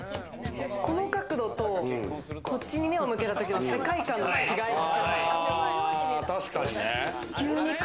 この角度とこっちに目を向けたときの世界観の違いが。